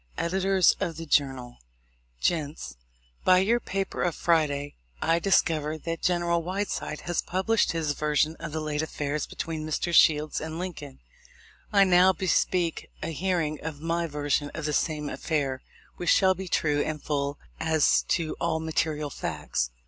Editors of the Journal: Gents :— By your paper of Friday, I discover that General Whiteside has published his version of the late affair between Messrs. Shields and Lincoln, I now bespeak a hearing of my version of the same affair, which shall be true and full as to all mate rial facts.